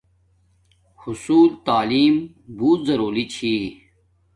حصول تعلیم بوت ضروری چھی